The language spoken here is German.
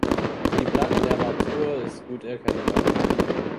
Die Blattnervatur ist gut erkennbar.